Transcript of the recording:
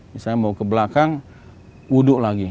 misalnya mau ke belakang wudhu lagi